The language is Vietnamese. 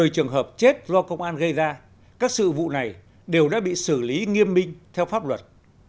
một mươi trường hợp chết do công an gây ra các sự vụ này đều đã bị xử lý nghiêm minh theo pháp luật